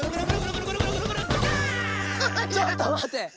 ちょっとまて！